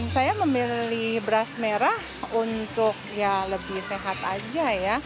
saya memilih beras merah untuk ya lebih sehat aja ya